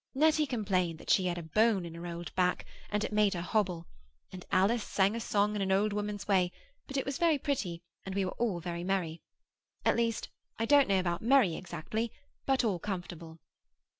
Nettie complained that she had a bone in her old back, and it made her hobble; and Alice sang a song in an old woman's way, but it was very pretty, and we were all merry. At least, I don't know about merry exactly, but all comfortable.